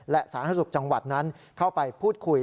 และสาธารณสุขจังหวัดนั้นเข้าไปพูดคุย